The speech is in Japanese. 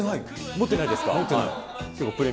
持ってないですか？